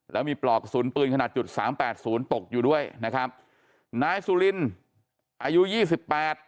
แล้วมีปลอกกระสุนปืนขนาดจุดสามแปดศูนย์ตกอยู่ด้วยนะครับนายสุรินอายุยี่สิบแปด